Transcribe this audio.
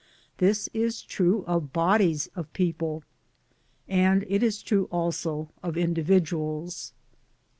This is true of bodies of people, and it is true also of individuals.